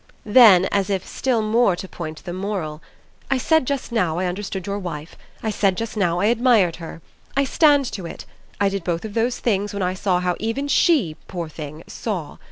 Then as if still more to point the moral: "I said just now I understood your wife. I said just now I admired her. I stand to it: I did both of those things when I saw how even SHE, poor thing, saw.